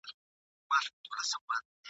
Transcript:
ځوانان په خاورو کې ښخ سوي ول.